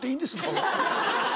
俺。